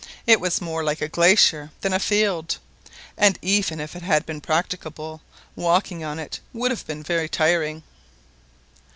It was more like a glacier than a "field," and even if it had been practicable, walking on it would have been very tiring.